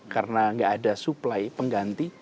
karena tidak ada pengganti